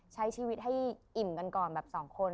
ใช้ชีวิตให้อิ่มกันก่อนแบบสองคน